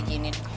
ya sukses neng